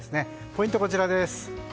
ポイント、こちらです。